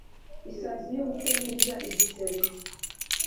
isazi y'ubute ntirya igisebe